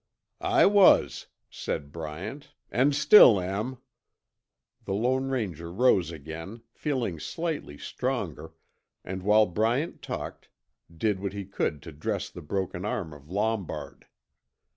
"I was," said Bryant, "an' still am." The Lone Ranger rose again, feeling slightly stronger, and while Bryant talked, did what he could to dress the broken arm of Lombard.